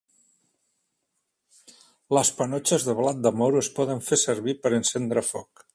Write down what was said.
Les panotxes de blat de moro es poden fer servir per encendre foc.